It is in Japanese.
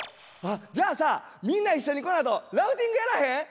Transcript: じゃあさみんな一緒にこのあとラフティングやらへん？